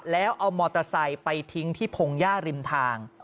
แล้วเอามอเตอร์ไซค์ไปทิ้งที่พงหญ้าริมทาง